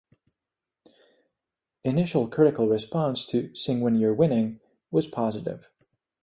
Initial critical response to "Sing When You're Winning" was positive.